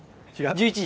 １１時？